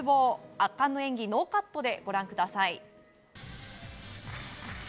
圧巻の演技ノーカットでご覧ください。